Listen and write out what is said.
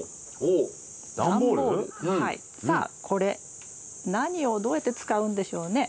さあこれ何をどうやって使うんでしょうね？